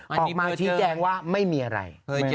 ออกมาชี้แจงว่าไม่มีอะไร